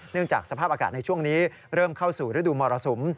จากสภาพอากาศในช่วงนี้เริ่มเข้าสู่ฤดูมรสุม